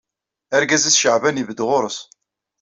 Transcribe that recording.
Argaz-is Caɛban ibedd ɣur-s.